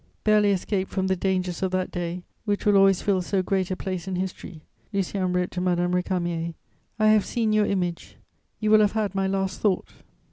"Barely escaped from the dangers of that day, which will always fill so great a place in history, Lucien wrote to Madame Récamier: "'I have seen your image!... You will have had my last thought!'...